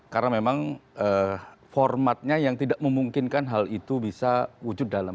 karena memang formatnya yang tidak memungkinkan hal itu bisa wujud dalam